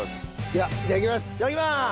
ではいただきます。